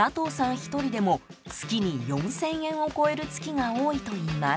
１人でも月に４０００円を超える月が多いといいます。